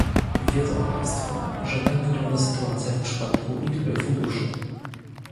Wiedzą państwo, że tak wygląda sytuacja w przypadku niektórych funduszy